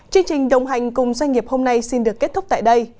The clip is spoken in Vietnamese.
chương trình đồng hành cùng doanh nghiệp hôm nay xin được kết thúc tại đây